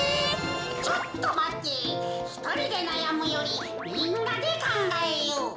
「ちょっとまてひとりでなやむよりみんなでかんがえよう」。